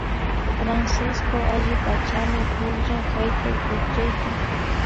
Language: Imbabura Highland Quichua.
Francisco allipachami pukllan haytaypukllayta